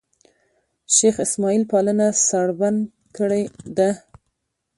شېخ اسماعیل پالنه سړبن کړې ده.